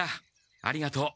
ありがとう。